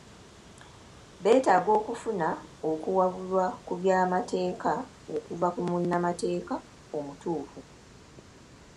Beetaaga okufuna okuwabulwa ku by'amateeka okuva ku munnamateeka omutuufu.